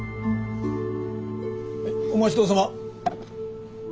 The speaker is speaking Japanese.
お待ちどおさま。